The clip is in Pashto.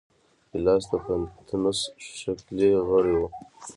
ګیلاس د پتنوس ښکلی غړی وي.